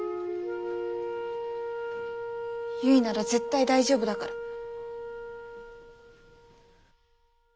結なら絶対大丈夫だから。